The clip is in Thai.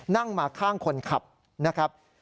นั่งมาข้างคนขับนะครับ